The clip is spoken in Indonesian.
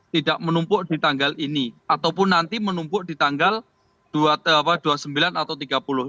tidak menumpuk di tanggal ini ataupun nanti menumpuk di tanggal dua puluh sembilan atau tiga puluh